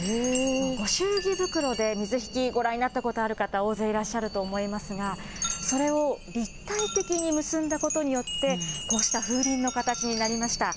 ご祝儀袋で水引、ご覧になった方たくさんいらっしゃると思いますが、それを立体的に結んだことによって、こうした風鈴の形になりました。